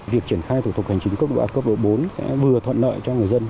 việc triển khai thủ tục hành chính cấp độ cấp độ bốn sẽ vừa thuận lợi cho người dân